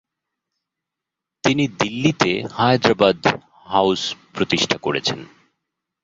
তিনি দিল্লিতে হায়দ্রাবাদ হাউস প্রতিষ্ঠা করেছেন।